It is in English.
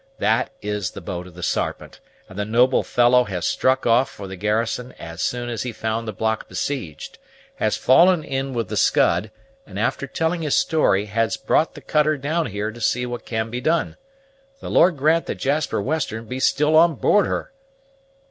That is the boat of the Sarpent, and the noble fellow has struck off for the garrison as soon as he found the block besieged, has fallen in with the Scud, and, after telling his story, has brought the cutter down here to see what can be done. The Lord grant that Jasper Western be still on board her!"